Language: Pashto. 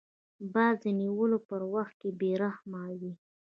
باز د نیولو پر وخت بې رحمه وي